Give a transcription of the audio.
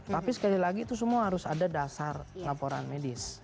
tapi sekali lagi itu semua harus ada dasar laporan medis